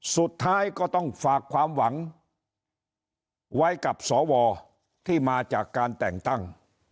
สุดท้ายก็ต้องฝากความหวังไว้กับสวที่มาจากการแต่งตั้ง